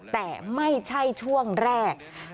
แต่ไม่ใช่ช่วงแรก